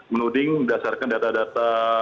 menuding berdasarkan data data